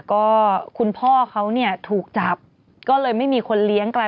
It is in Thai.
ก็คุณพ่อเขาเนี่ยถูกจับก็เลยไม่มีคนเลี้ยงไกล